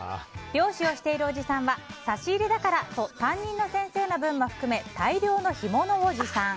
漁師をしているおじさんは差し入れだからと担任の先生の分も含め大量の干物を持参。